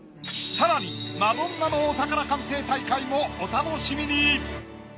更にマドンナのお宝鑑定大会もお楽しみに！